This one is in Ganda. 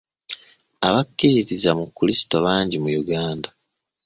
Abakkiririza mu Krisitu bangi mu Uganda.